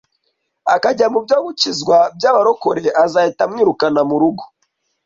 akajya mubyo gukizwa by’abarokore azahita amwirukana mu rugo